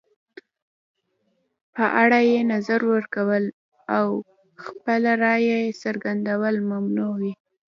په اړه یې نظر ورکول او خپله رایه څرګندول ممنوع وي.